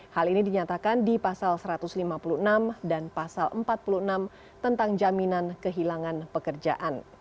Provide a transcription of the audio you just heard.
hal ini dinyatakan di pasal satu ratus lima puluh enam dan pasal empat puluh enam tentang jaminan kehilangan pekerjaan